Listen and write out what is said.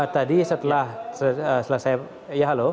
tadi setelah selesai ya halo